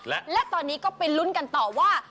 และตอนนี้ก็ไปลุ้นกันต่อว่า